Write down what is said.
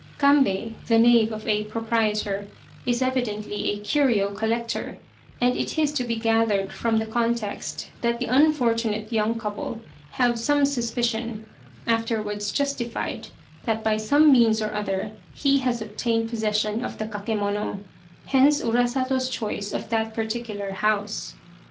Kambei, the knave of a proprietor, is evidently a curio collector, and it is to be gathered from the context that the unfortunate young couple have some suspicion afterwards justified that by some means or other he has obtained possession of the kakemono hence Urasato's choice of that particular house.